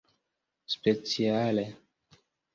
speciale